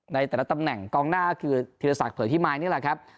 ในแต่ละตำแหน่งกองหน้าคือธีรศักดิเผยพิมายนี่แหละครับ